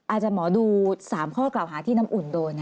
อาจารย์หมอดู๓ข้อกล่าวหาที่น้ำอุ่นโดน